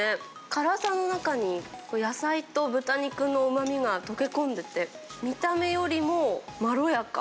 辛さの中に野菜と豚肉のうまみが溶け込んでて、見た目よりもまろやか。